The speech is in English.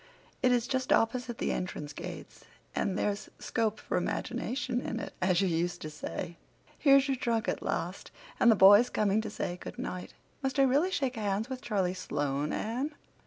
It is just opposite the entrance gates and there's 'scope for imagination' in it, as you used to say. Here's your trunk at last—and the boys coming to say good night. Must I really shake hands with Charlie Sloane, Anne?